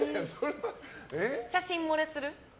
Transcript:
写真盛れする。